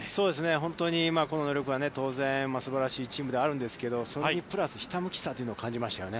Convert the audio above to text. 本当に個の能力は当然、すばらしいチームであるんですけど、それにプラスひたむきさを感じましたね。